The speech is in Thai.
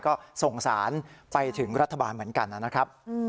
ก็ส่งสารไปถึงรัฐบาลเหมือนกันนะครับ